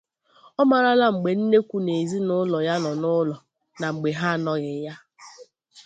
Ọ marala mgbe nnekwu na ezinaụlọ ya nọ n’ụlọ na mgbe ha anọghị ya